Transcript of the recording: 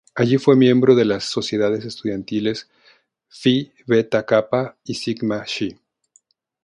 Allí fue miembro de las sociedades estudiantiles Phi Beta Kappa y Sigma Xi.